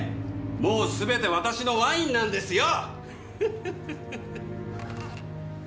もうすべて私のワインなんですよ！